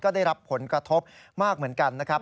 ได้รับผลกระทบมากเหมือนกันนะครับ